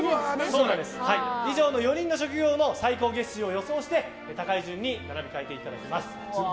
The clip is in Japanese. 以上の４人の職業の最高月収を予想して高い順に並び替えていただきます。